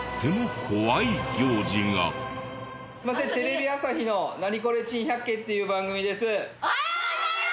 すいませんテレビ朝日の『ナニコレ珍百景』っていう番組です。